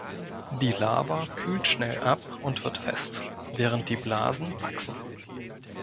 Die Lava kühlt schnell ab und wird fest, während die Blasen wachsen.